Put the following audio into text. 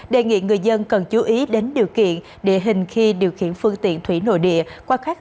đề nghị người dân cần chú ý đến điều kiện địa hình khi điều khiển phương tiện thủy nội địa qua các khu vực